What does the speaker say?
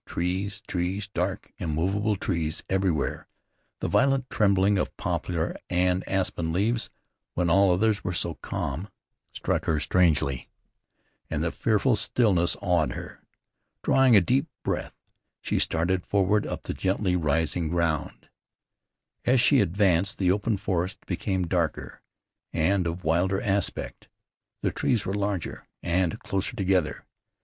Trees, trees, dark, immovable trees everywhere. The violent trembling of poplar and aspen leaves, when all others were so calm, struck her strangely, and the fearful stillness awed her. Drawing a deep breath she started forward up the gently rising ground. As she advanced the open forest became darker, and of wilder aspect. The trees were larger and closer together.